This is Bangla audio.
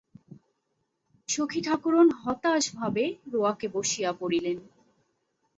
সখী ঠাকরুন হতাশভাবে রোয়াকে বসিয়া পড়িলেন।